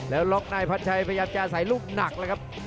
แล้วรองในพันชัยพยายามจะใส่รูปหนักเลยครับ